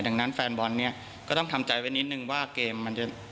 ดังนั้นแฟนบอลเนี่ยก็ต้องทำใจไว้นิดนึงว่าเกมมันจะ